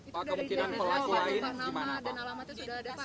pak kemungkinan olah lain gimana pak